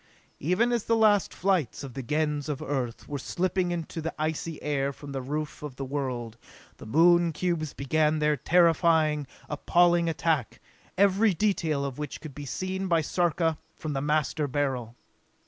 Even as the last flights of the Gens of Earth were slipping into the icy air from the roof of the world, the Moon cubes began their terrifying, appalling attack, every detail of which could be seen by Sarka from the Master Beryl.